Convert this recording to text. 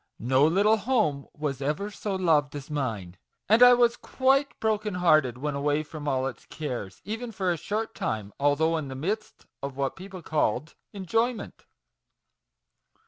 No little home was ever so loved as mine; and I was quite broken hearted when away from all its cares, even for a short time, although in the midst of what people called enjoyment.